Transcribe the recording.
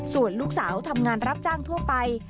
ส่วนลูกสาวทำงานรับจ้างทั่วไป